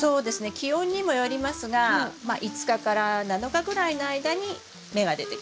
気温にもよりますがまあ５日から７日ぐらいの間に芽が出てきます。